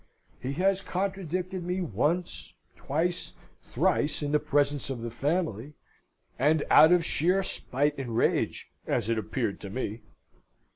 He has contradicted me once, twice, thrice in the presence of the family, and out of sheer spite and rage, as it appeared to me.